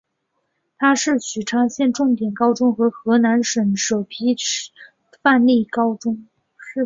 它是许昌市重点高中和河南省首批示范性高中。